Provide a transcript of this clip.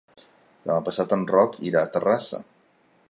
Demà passat en Roc irà a Terrassa.